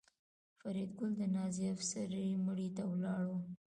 فریدګل د نازي افسر مړي ته ولاړ و